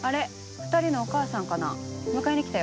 ２人のお母さんかな迎えに来たよ。